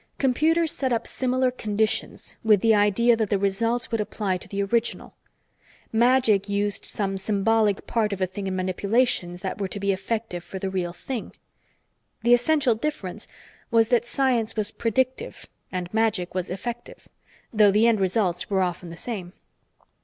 Computers set up similar conditions, with the idea that the results would apply to the original. Magic used some symbolic part of a thing in manipulations that were to be effective for the real thing. The essential difference was that science was predictive and magic was effective though the end results were often the same.